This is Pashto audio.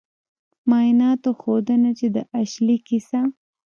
معایناتو ښوده چې د اشلي کیسه